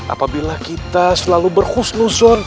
apabila kita selalu berhusnuzon